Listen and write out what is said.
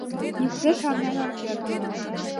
Нигузе шарнен ом керт.